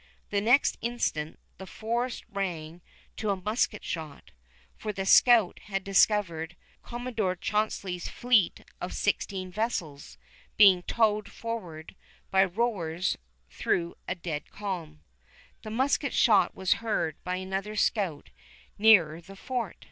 The next instant the forest rang to a musket shot, for the scout had discovered Commodore Chauncey's fleet of sixteen vessels being towed forward by rowers through a dead calm. The musket shot was heard by another scout nearer the fort.